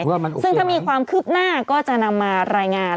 เขาว่ามันโอเคนะซึ่งถ้ามีความคืบหน้าก็จะนำมารายงาน